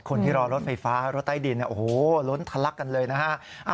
คนที่รอรถไฟฟ้ารถใต้ดินโอ้โหล้นทะลักกันเลยนะฮะ